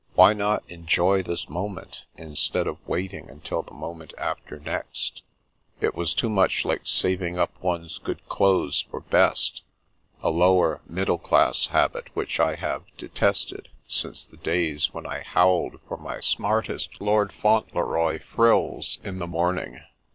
Why not enjoy this moment, instead of waiting until the moment after next ? It was too much like saving up one's good clothes for " best,*' a lower middle class habit which I have de tested since the days when I howled for my smartest Lord Fauntleroy frills in the morning.